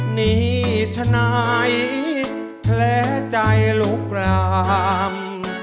หนีชนายแพร่ใจลุกราม